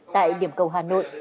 tại điểm cầu hà nội